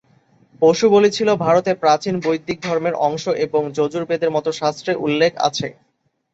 পশুবলি ছিল ভারতে প্রাচীন বৈদিক ধর্মের অংশ, এবং যজুর্বেদের মত শাস্ত্রে উল্লেখ আছে।